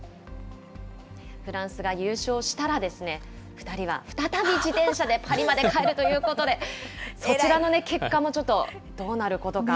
フランスが優勝したら、２人は再び自転車でパリまで帰るということで、こちらの結果もね、ちょっと、どうなることか。